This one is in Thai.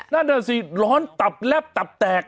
นั่นน่ะสิร้อนตับแลบตับแตก